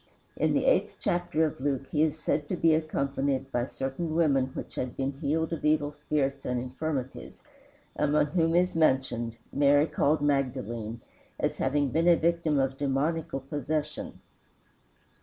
In the eighth chapter of Luke he is said to be accompanied by "certain women which had been healed of evil spirits and infirmities," among whom is mentioned "Mary called Magdalene," as having been a victim of demoniacal possession.